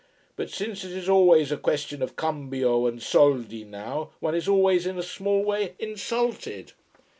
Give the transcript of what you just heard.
But since it is always a question of cambio and soldi now, one is always, in a small way, insulted."